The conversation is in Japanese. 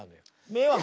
迷惑。